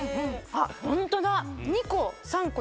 ホントだ。